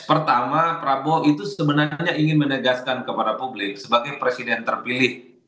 pertama prabowo itu sebenarnya ingin menegaskan kepada publik sebagai presiden terpilih